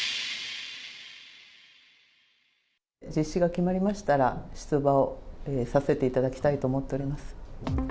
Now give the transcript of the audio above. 実施が決まりましたら、出馬をさせていただきたいと思っております。